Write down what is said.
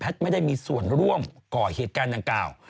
ไม่ได้มีส่วนร่วมก่อเหตุการณ์ดังกล่าว